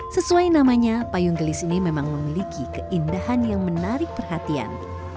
sesuai namanya payung gelis ini memang memiliki keindahan yang menarik perhatian